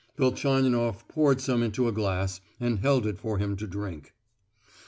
Velchaninoff poured some into a glass, and held it for him to drink.